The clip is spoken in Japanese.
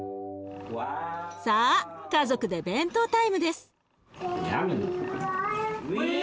さあ家族で弁当タイムです。